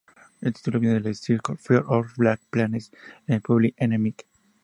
El título viene del disco "Fear of a Black Planet" de Public Enemy.